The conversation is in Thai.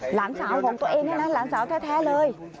หลานสาวของตัวเองเนี่ยนะหลานสาวแท้เลย